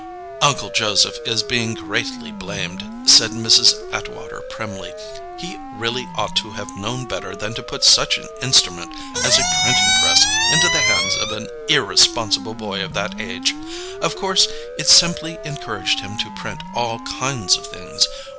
"Uncle Joseph is being greatly blamed," said Mrs. Atwater primly. "He really ought to have known better than to put such an instrument as a printing press into the hands of an irresponsible boy of that age. Of course it simply encouraged him to print all kinds of things.